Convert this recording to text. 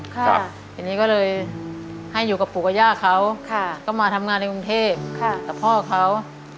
ทีนี้ก็เลยให้อยู่กับปู่กับย่าเขาก็มาทำงานในกรุงเทพกับพ่อเขา